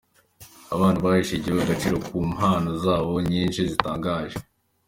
Abana baheshe igihugu Agaciro mu mpano zabo nyinshi zitangaje